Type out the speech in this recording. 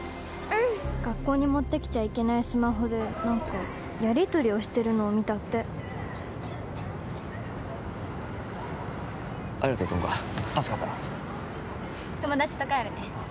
学校に持ってきちゃいけないスマホで何かやりとりをしてるのを見たってありがと友果助かった友達と帰るねじゃああとで